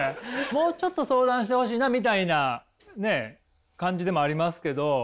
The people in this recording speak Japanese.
もうちょっと相談してほしいなみたいなね感じでもありますけど。